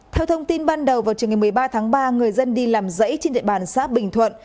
theo thông tin ban đầu vào trường ngày một mươi ba tháng ba người dân đi làm dãy trên địa bàn xã bình thuận